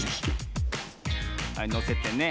はいのせてね。